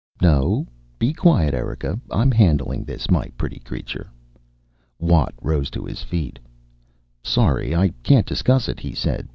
No, be quiet, Erika. I'm handling this, my pretty creature." Watt rose to his feet. "Sorry, I can't discuss it," he said.